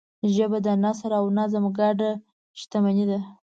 ژبه د نثر او نظم ګډ شتمنۍ ده